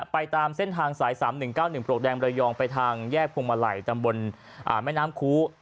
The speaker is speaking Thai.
ไปตามเส้นทางสายสามหนึ่งเก้าหนึ่งปลวกแดงบริยองไปทางแยกพุงมาลัยตามบนอ่าแม่น้ำคู้